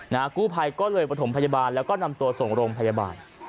นากุภัยก็เลยปฐมพยาบาลแล้วก็นำตัวส่งรมพยาบาล